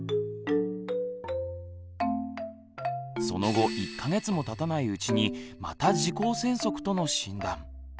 その後１か月もたたないうちにまた「耳垢栓塞」との診断。